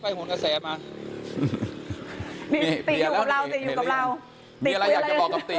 ผลกระแสมานี่ติอยู่กับเราติอยู่กับเราติอะไรอยากจะบอกกับติ